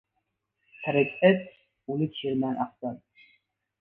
• Tirik it o‘lik sherdan afzal.